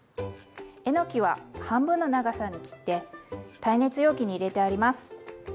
えのきは半分の長さに切って耐熱容器に入れてあります。